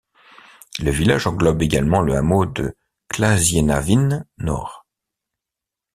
Le village englobe également le hameau de Klazienaveen-Noord.